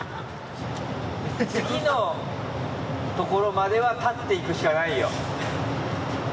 次のところまでは立って行くしかないよ。